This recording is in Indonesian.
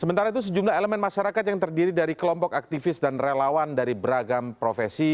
sementara itu sejumlah elemen masyarakat yang terdiri dari kelompok aktivis dan relawan dari beragam profesi